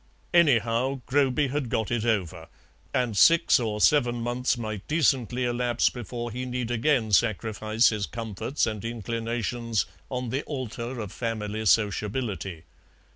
Anyhow, Groby had got it over, and six or seven months might decently elapse before he need again sacrifice his comforts and inclinations on the altar of family sociability.